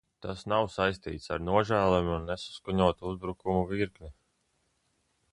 Tas nav saistīts ar nožēlojamu un nesaskaņotu uzbrukumu virkni.